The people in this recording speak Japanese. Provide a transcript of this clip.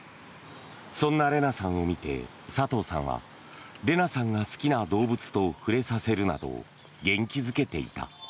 そんなレナさんを見て佐藤さんはレナさんが好きな動物を触れさせるなど元気付けていた。